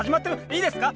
いいですか？